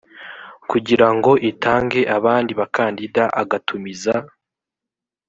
kugirango itange abandi bakandida agatumiza